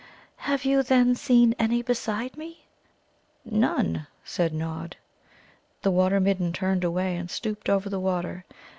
"Have you, then, seen any beside me?" "None," said Nod. The Water midden turned away and stooped over the water.